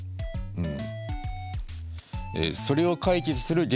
うん。